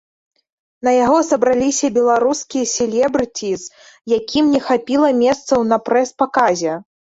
На яго сабраліся беларускія селебрыціз, якім не хапіла месцаў на прэс-паказе.